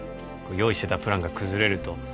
用意してたプランが崩れると